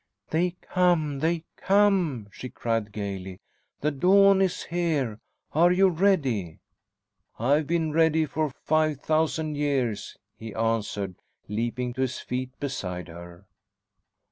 "They come, they come," she cried gaily. "The Dawn is here. Are you ready?" "I've been ready for five thousand years," he answered, leaping to his feet beside her.